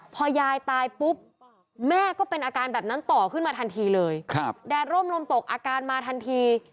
พอยายตายปุ๊บแม่ก็เป็นอาการแบบนั้นต่อขึ้นมาทันทีเลยแดดร่มลมตกอาการมาทันที